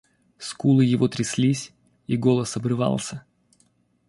Скулы его тряслись, и голос обрывался.